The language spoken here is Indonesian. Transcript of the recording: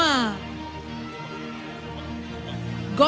dan ada kain batik dari batik goma